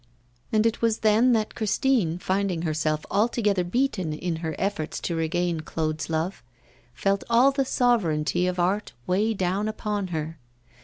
And it was then that Christine, finding herself altogether beaten in her efforts to regain Claude's love, felt all the sovereignty of art weigh down upon her.